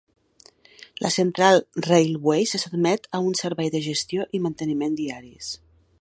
La Central Railway se sotmet a un servei de gestió i manteniment diaris.